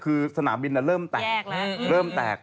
คือสถานบินเริ่มแตก